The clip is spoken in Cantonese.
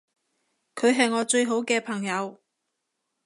佢係我最好嘅朋友